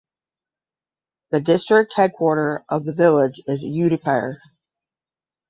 The District head quarter of the village is Udaipur.